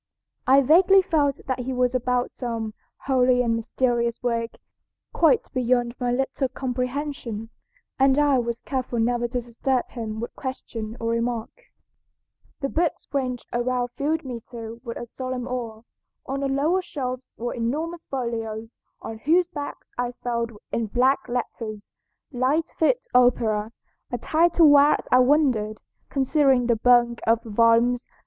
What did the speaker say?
I vaguely felt that he was about some holy and mysterious work quite beyond my little comprehension, and I was careful never to disturb him by question or remark. [Illustration: BIRTHPLACE AT LITCHFIELD, CONNECTICUT.] "The books ranged around filled me too with a solemn awe. On the lower shelves were enormous folios, on whose backs I spelled in black letters, 'Lightfoot Opera,' a title whereat I wondered, considering the bulk of the volumes.